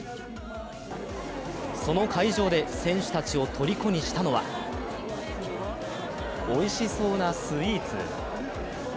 その会場で選手たちをとりこにしたのはおいしそうなスイーツ。